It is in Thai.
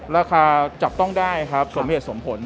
ราคาจับต้องได้ครับสมเหตุสมผล